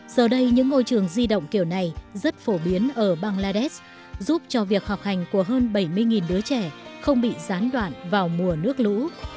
giờ đây những ngôi trường di động kiểu này rất phổ biến ở bangladesh giúp cho việc học hành của hơn bảy mươi đứa trẻ không bị gián đoạn vào mùa nước lũ